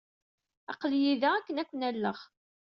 Aql-iyi da akken ad ken-alleɣ.